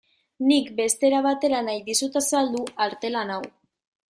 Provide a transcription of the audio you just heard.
Nik beste era batera nahi dizut azaldu artelan hau.